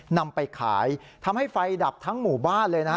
นำไปขายทำให้ไฟดับทั้งหมู่บ้านเลยนะฮะ